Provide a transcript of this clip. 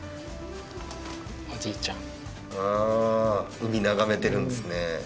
海眺めてるんですね。